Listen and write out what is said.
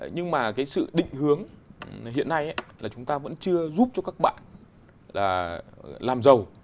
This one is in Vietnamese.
nhưng mà sự định hướng hiện nay là chúng ta vẫn chưa giúp cho các bạn làm giàu